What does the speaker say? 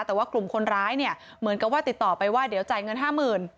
แต่ว่ากลุ่มคนร้ายเนี่ยเหมือนกับว่าติดต่อไปว่าเดี๋ยวจ่ายเงินห้าหมื่น